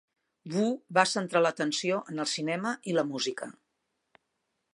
Wu va centrar l'atenció en el cinema i la música.